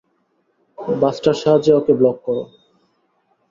বাসটার সাহায্যে ওকে ব্লক করো!